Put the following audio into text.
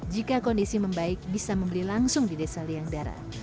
jika kondisi membaik bisa membeli langsung di desa liangdara